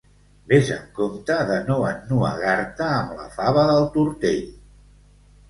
Ves amb compte de no ennuegar-te amb la fava del tortell!